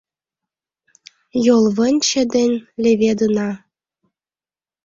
Йолвынче ден леведына.